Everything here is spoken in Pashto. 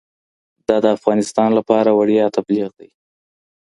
دا د افغانستان لپاره وړیا تبلیغ دی.